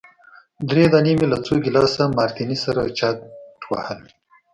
درې دانې مي له څو ګیلاسه مارټیني سره چټ وهل.